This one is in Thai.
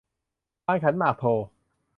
พานขันหมากโท